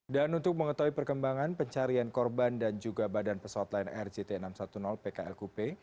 dan untuk mengetahui perkembangan pencarian korban dan juga badan pesawat lain rgt enam ratus sepuluh pklkp